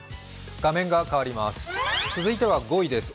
続いては５位です。